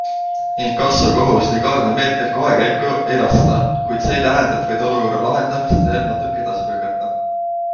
Inkasso, kohus - nii karme meetmeid kohe käiku ei lasta, kuid see ei tähenda, et võid olukorra lahendamist veel natuke edasi lükata.